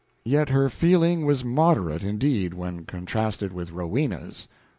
Yet her feeling was moderate indeed when contrasted with Rowena's.